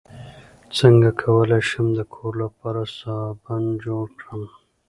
څنګه کولی شم د کور لپاره صابن جوړ کړم